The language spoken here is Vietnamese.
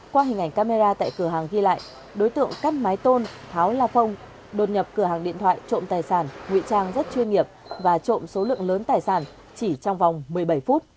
qua hình ảnh camera tại cửa hàng ghi lại đối tượng cắt mái tôn tháo la phông đột nhập cửa hàng điện thoại trộm tài sản nguy trang rất chuyên nghiệp và trộm số lượng lớn tài sản chỉ trong vòng một mươi bảy phút